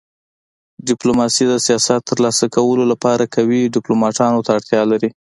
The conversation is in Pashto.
ډيپلوماسي د سیاست د تر لاسه کولو لپاره قوي ډيپلوماتانو ته اړتیا لري.